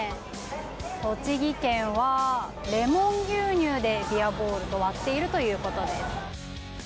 栃木県はレモン牛乳でビアボールを割っているということです。